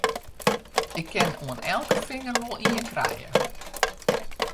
Ik kin oan elke finger wol ien krije!